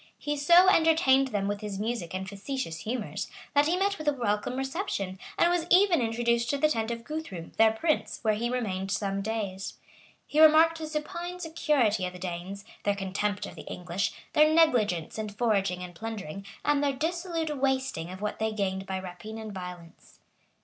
He so entertained them with his music and facetious humors, that he met with a welcome reception, and was even introduced to the tent of Guthrum, their prince, where he remained some days.[] He remarked the supine security of the Danes, their contempt of the English, their negligence in foraging and plundering, and their dissolute wasting of what they gained by rapine and violence.